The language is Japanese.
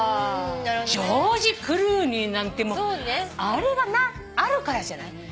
ジョージ・クルーニーなんてもうあれがあるからじゃない？